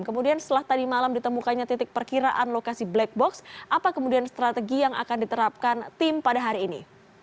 kemudian setelah tadi malam ditemukannya titik perkiraan lokasi black box apa kemudian strategi yang akan diterapkan tim pada hari ini